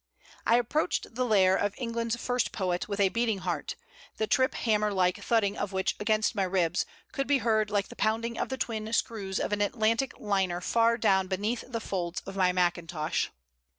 I approached the lair of England's first poet with a beating heart, the trip hammer like thudding of which against my ribs could be heard like the pounding of the twin screws of an Atlantic liner far down beneath the folds of my mackintosh.